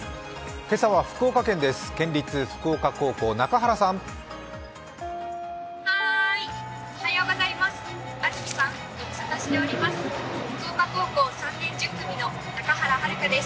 今朝は福岡県です